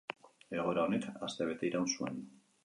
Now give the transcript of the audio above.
Egoera honek astebete iraun zuen.